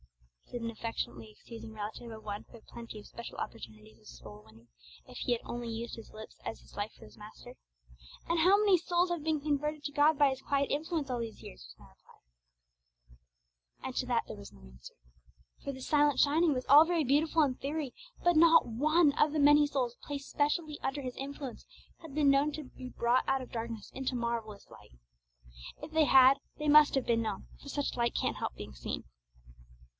said an affectionately excusing relative of one who had plenty of special opportunities of soul winning, if he had only used his lips as well as his life for his Master. 'And how many souls have been converted to God by his "quiet influence" all these years?' was my reply. And to that there was no answer! For the silent shining was all very beautiful in theory, but not one of the many souls placed specially under his influence had been known to be brought out of darkness into marvellous light. If they had, they must have been known, for such light can't help being seen.